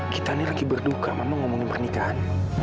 kita ini lagi berduka memang ngomongin pernikahan